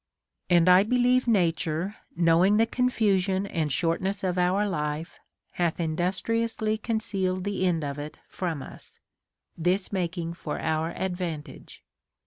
11. And I believe Nature, knowing the confusion and shortness of our life, hath industriously concealed the end of it from us, this making for our advantage.